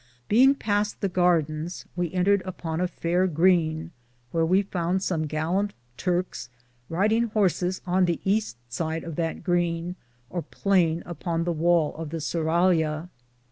Beinge paste the grdens, we entred upon a faire grene, wheare we founde som galland Turks ridinge horses on the easte sid of that grene or plain upon the wale of the surralia.